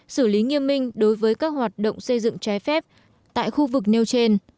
xử lý nghiêm minh đối với các hoạt động xây dựng trái phép tại khu vực nêu trên